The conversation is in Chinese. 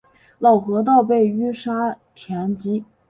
老河道被淤沙填积。